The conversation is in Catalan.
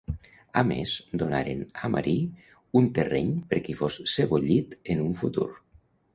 A més, donaren a Marí un terreny perquè hi fos sebollit en un futur.